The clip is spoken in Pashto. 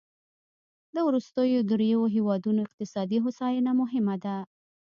د وروستیو دریوو هېوادونو اقتصادي هوساینه مهمه ده.